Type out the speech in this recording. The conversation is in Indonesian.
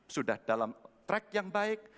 sudah dalam track yang baik